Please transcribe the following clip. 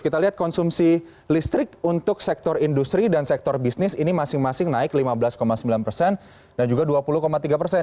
kita lihat konsumsi listrik untuk sektor industri dan sektor bisnis ini masing masing naik lima belas sembilan persen dan juga dua puluh tiga persen